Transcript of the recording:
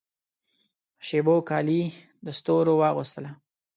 شېبو کالي د ستورو واغوستله